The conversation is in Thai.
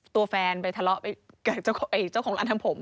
ตัวแฟนไปทะเลาะไปกับเจ้าของร้านทำผม